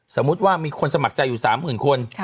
สมมุติว่ามีคนสมัครใจอยู่๓๐๐๐คน